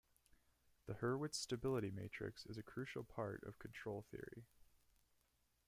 The Hurwitz stability matrix is a crucial part of control theory.